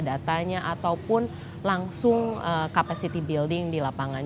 datanya ataupun langsung capacity building di lapangan